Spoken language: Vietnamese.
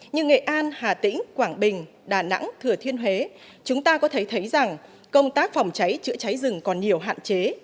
như nghệ an hà tĩnh quảng bình đà nẵng thừa thiên huế chúng ta có thể thấy rằng công tác phòng cháy chữa cháy rừng còn nhiều hạn chế